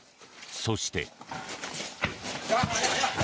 そして。